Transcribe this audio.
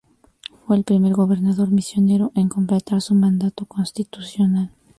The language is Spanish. Fue el primer gobernador misionero en completar su mandato constitucional.